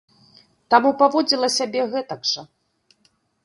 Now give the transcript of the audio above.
Таму паводзіла сябе гэтак жа.